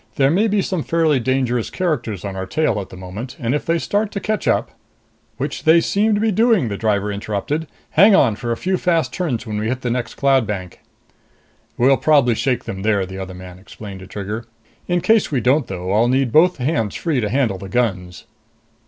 There may be some fairly dangerous characters on our tail at the moment, and if they start to catch up " "Which they seem to be doing," the driver interrupted. "Hang on for a few fast turns when we hit the next cloud bank." "We'll probably shake them there," the other man explained to Trigger. "In case we don't though, I'll need both hands free to handle the guns."